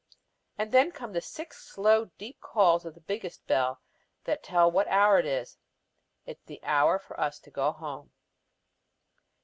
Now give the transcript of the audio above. And then come the six slow deep calls of the biggest bell that tell what hour it is. It is the hour for us to go home.